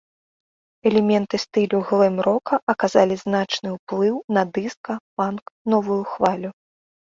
Элементы стылю глэм-рока аказалі значны ўплыў на дыска, панк, новую хвалю.